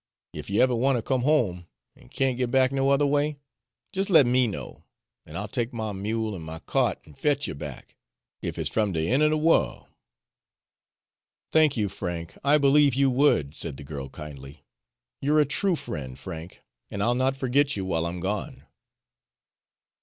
"Ef you ever wanter come home, an' can't git back no other way, jes' let ME know, an' I'll take my mule an' my kyart an' fetch you back, ef it's from de een' er de worl'." "Thank you, Frank, I believe you would," said the girl kindly. "You're a true friend, Frank, and I'll not forget you while I'm gone."